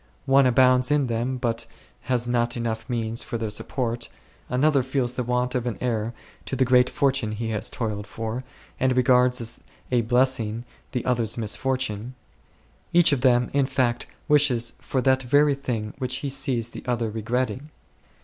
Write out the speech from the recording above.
One abounds in them but has not enough means for their support ; another feels the want of an heir to the great fortune he has toiled for, and regards as a blessing the other's misfortune ; each of them, in fact, wishes for that very thing which he sees the other regretting.